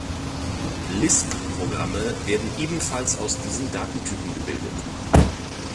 Lisp-Programme werden ebenfalls aus diesen Datentypen gebildet.